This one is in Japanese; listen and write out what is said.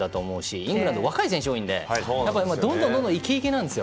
イングランドは若い選手が多いのでどんどんイケイケなんですよ。